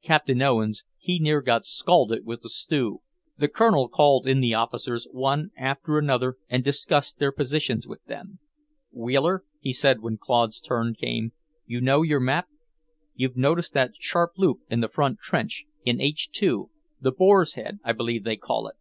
Captain Owens, he near got scalded with the stew." The Colonel called in the officers one after another and discussed their positions with them. "Wheeler," he said when Claude's turn came, "you know your map? You've noticed that sharp loop in the front trench, in H 2; the Boar's Head, I believe they call it.